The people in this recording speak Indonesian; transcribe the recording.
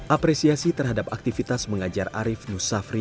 apresiasi terhadap aktivitas mengajar arief nusafri